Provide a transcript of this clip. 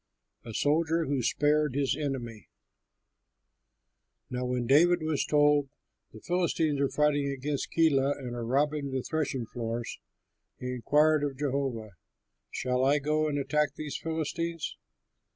A SOLDIER WHO SPARED HIS ENEMY Now when David was told, "The Philistines are fighting against Keilah and are robbing the threshing floors," he inquired of Jehovah, "Shall I go and attack these Philistines?"